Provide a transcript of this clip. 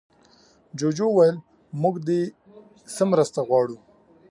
جوجو وویل موږ دې سره مرسته غواړو.